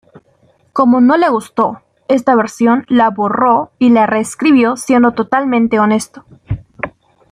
Como no le gustó esta versión la borró y la reescribió siendo totalmente honesto.